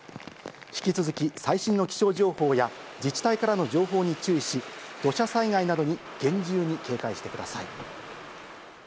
引き続き最新の気象情報や自治体からの情報に注意し、土砂災害などに厳重に警戒してください。